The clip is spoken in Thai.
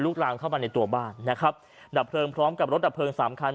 ลามเข้ามาในตัวบ้านนะครับดับเพลิงพร้อมกับรถดับเพลิงสามคัน